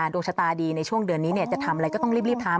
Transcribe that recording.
ดวงชะตาดีในช่วงเดือนนี้จะทำอะไรก็ต้องรีบทำ